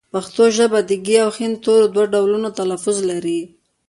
پښتو ژبه د ږ او ښ تورو دوه ډولونه تلفظ لري